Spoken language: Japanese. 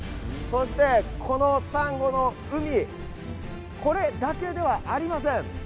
そして、このさんごの海、これだけではありません。